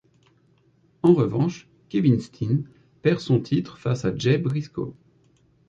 En revanche, Kevin Steen perd son titre face à Jay Briscoe.